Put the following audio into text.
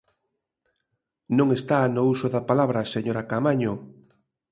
Non está no uso da palabra, señora Caamaño.